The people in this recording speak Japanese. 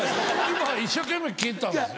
今一生懸命聞いてたんですよ。